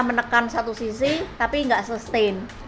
menekan satu sisi tapi nggak sustain